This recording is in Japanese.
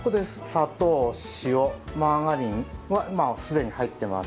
砂糖塩マーガリンは今すでに入ってます。